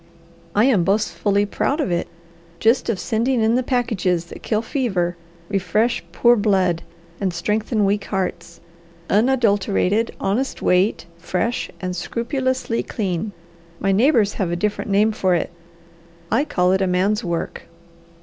I am boastfully proud of it just of sending in the packages that kill fever, refresh poor blood, and strengthen weak hearts; unadulterated, honest weight, fresh, and scrupulously clean. My neighbours have a different name for it; I call it a man's work."